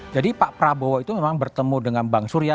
jadi pak prabowo itu memang bertemu dengan bang surya